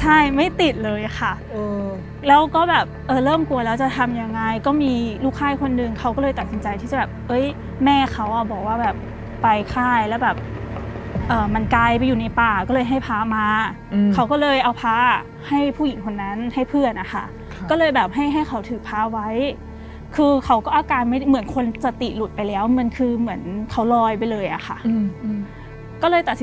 ใช่ไม่ติดเลยค่ะแล้วก็แบบเออเริ่มกลัวแล้วจะทำยังไงก็มีลูกค่ายคนนึงเขาก็เลยตัดสินใจที่จะแบบเอ้ยแม่เขาอ่ะบอกว่าแบบไปค่ายแล้วแบบมันไกลไปอยู่ในป่าก็เลยให้พามาเขาก็เลยเอาพระให้ผู้หญิงคนนั้นให้เพื่อนนะคะก็เลยแบบให้ให้เขาถือพาไว้คือเขาก็อาการไม่เหมือนคนสติหลุดไปแล้วมันคือเหมือนเขาลอยไปเลยอะค่ะก็เลยตัดสินใจ